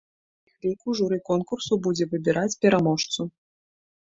З іх ліку журы конкурсу будзе выбіраць пераможцу.